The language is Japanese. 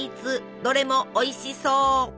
どれもおいしそう！